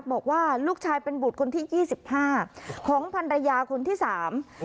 บอกว่าลูกชายเป็นบุตรคนที่ยี่สิบห้าของพันรยาคนที่สาม